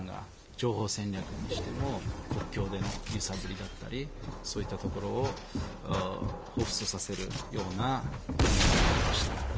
情報戦略にしても国境での揺さぶりだったりそういったところをほうふつとさせるような思いでありました。